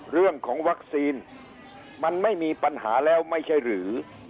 เรื่องของวัคซีนมันไม่มีปัญหาแล้วไม่ใช่หรือ